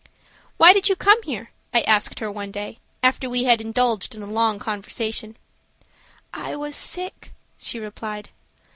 "Why did you come here?" I asked her one day, after we had indulged in a long conversation. "I was sick," she replied.